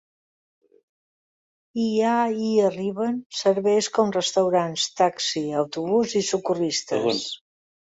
Hi ha i hi arriben serveis com restaurants, taxi, autobús i socorristes.